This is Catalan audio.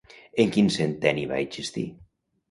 En quin centenni va existir?